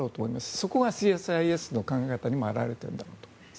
そこがＣＳＩＳの考え方にも表れているんだろうと思います。